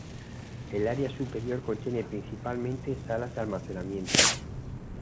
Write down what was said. El área superior contiene principalmente salas de almacenamiento.